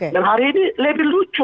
dan hari ini lebih lucu